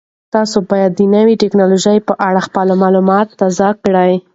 تاسو باید د نوې تکنالوژۍ په اړه خپل معلومات تازه کړئ.